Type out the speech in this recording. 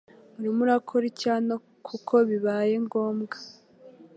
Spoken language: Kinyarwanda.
Urimo ukora iki hano kuko bibaye ngombwa